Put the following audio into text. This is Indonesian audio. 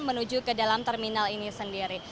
menuju ke dalam terminal ini sendiri